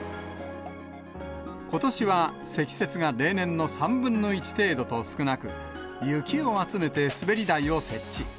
ことしは積雪が例年の３分の１程度と少なく、雪を集めて滑り台を設置。